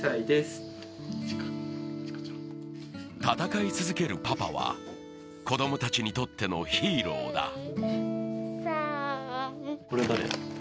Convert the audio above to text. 戦い続けるパパは子どもたちにとってのヒーローだ。